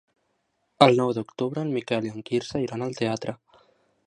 El nou d'octubre en Miquel i en Quirze iran al teatre.